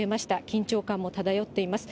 緊張感も漂っています。